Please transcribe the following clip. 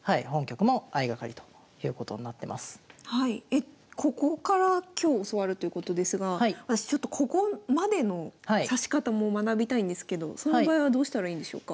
えっここから今日教わるということですが私ちょっとここまでの指し方も学びたいんですけどその場合はどうしたらいいんでしょうか？